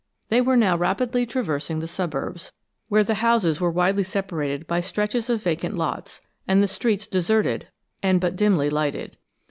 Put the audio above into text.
They were now rapidly traversing the suburbs, where the houses were widely separated by stretches of vacant lots, and the streets deserted and but dimly lighted.